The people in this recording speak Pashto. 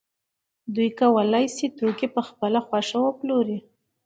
دوی کولای شو توکي په خپله خوښه وپلوري